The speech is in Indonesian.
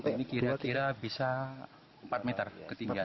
ini kira kira bisa empat meter ketinggian